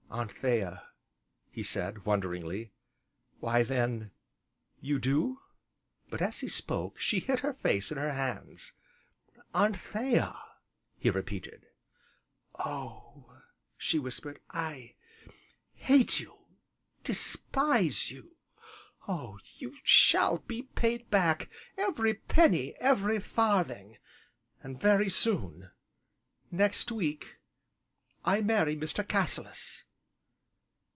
"Anthea!" he said, wonderingly, "why then you do ?" But, as he spoke, she hid her face in her hands. "Anthea!" he repeated. "Oh!" she whispered, "I hate you! despise you! Oh! you shall be paid back, every penny, every farthing, and very soon! Next week I marry Mr. Cassilis!"